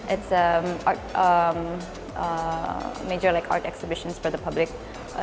ini adalah pembentangan seni yang besar untuk masyarakat